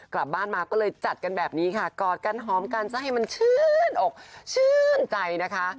กลับบ้านมาก็เลยจัดกันแบบนี้ค่ะกอดกันหอมกันซะให้มันชื่นอกชื่นใจนะคะ